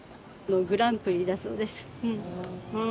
グランプリだそうです。